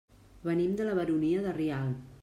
Venim de la Baronia de Rialb.